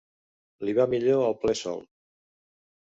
Li va millor el ple sol.